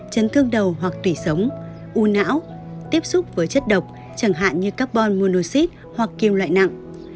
chấn thương đầu hoặc tủy sống u não tiếp xúc với chất độc chẳng hạn như carbon munoxid hoặc kim loại nặng